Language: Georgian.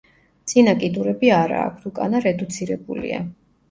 წინა კიდურები არა აქვთ, უკანა რედუცირებულია.